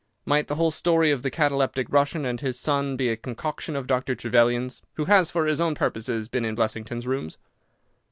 Might the whole story of the cataleptic Russian and his son be a concoction of Dr. Trevelyan's, who has, for his own purposes, been in Blessington's rooms?"